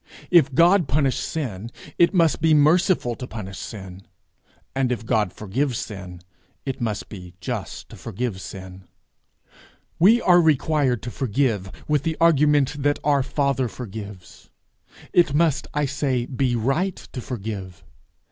If God punish sin, it must be merciful to punish sin; and if God forgive sin, it must be just to forgive sin. We are required to forgive, with the argument that our father forgives. It must, I say, be right to forgive.